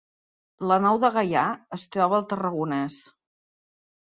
La Nou de Gaià es troba al Tarragonès